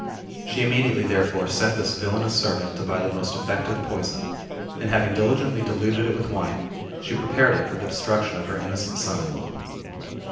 She immediately, therefore, sent this villanous servant to buy the most efiective poison, and, having diligently diluted it with wine;, she prepared it for the destruction of her innocent son in law.